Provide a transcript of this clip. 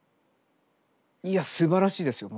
いやすばらしいですよ